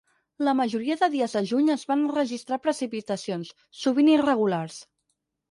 La majoria de dies de juny es van enregistrar precipitacions, sovint irregulars.